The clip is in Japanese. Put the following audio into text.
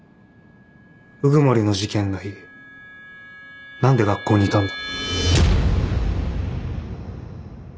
鵜久森の事件の日何で学校にいたんだ？